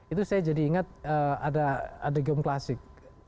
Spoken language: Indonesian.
itu saya jadi ingat ada geom klasik